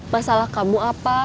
masalah kamu apa